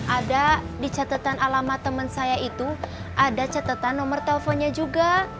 ada di catatan alamat teman saya itu ada catatan nomor teleponnya juga